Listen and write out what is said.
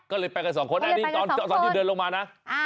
ก็เลยไปกัน๒คนตอนที่เดินลงมานะ